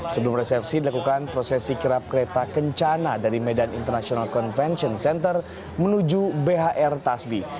sebelum resepsi dilakukan prosesi kirap kereta kencana dari medan international convention center menuju bhr tasbi